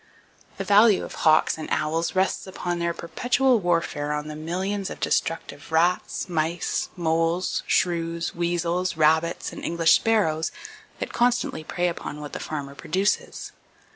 The value of hawks and owls rests upon their perpetual warfare on the millions of destructive rats, mice, moles, shrews, weasels, rabbits and English sparrows that constantly prey upon what the farmer produces.